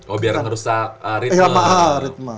oh biar ngerusak ritme